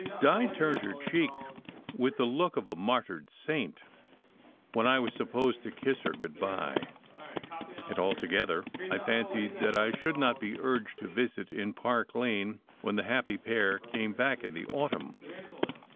Di turned her cheek with the look of a martyred saint when I was supposed to kiss her good bye; and altogether I fancied that I should not be urged to visit in Park Lane when the happy pair came back in the autumn.